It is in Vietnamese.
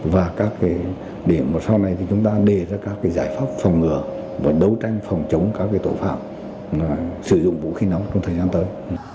và các điểm mà sau này thì chúng ta đề ra các giải pháp phòng ngừa và đấu tranh phòng chống các tội phạm sử dụng vũ khí nóng trong thời gian tới